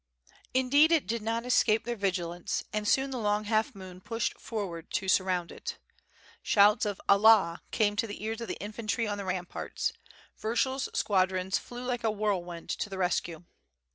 Indeed it did not escape their vigilance; and soon the long half moon pushed forward to suround it. Shouts of "Allah!" came to the ears of the infantry on the ramparts. Vyershul's squad rons flew like a whirlwind to the rescue.